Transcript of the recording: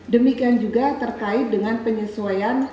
demikian juga terkait dengan penyesuaian